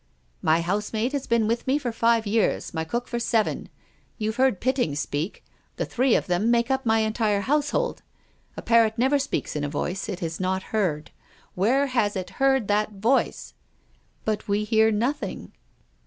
" My housemaid has been with me for five years, my cook for seven. You've heard Pitting speak. The three of them make up my entire household. A parrot never speaks in a voice it has not heard. Where has it heard that voice ?"" But we hear nothing?